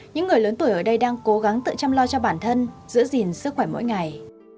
những người lớn tuổi ở đây đang cố gắng tự chăm lo cho bản thân giữ gìn sức khỏe mỗi ngày